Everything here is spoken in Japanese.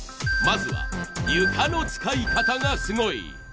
まずは床の使い方がすごい！